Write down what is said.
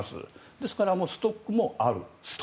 ですから、ストックもある。